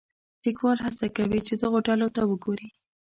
لیکوال هڅه کوي چې دغو ډلو ته وګوري.